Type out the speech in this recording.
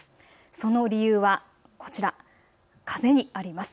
その理由はこちら、風にあります。